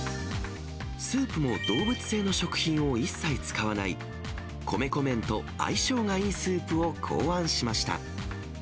スープも動物性の食品を一切使わない、米粉麺と相性がいいスープを考案しました。